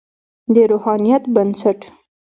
د روحانیت بنسټ.